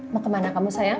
mau kemana kamu sayang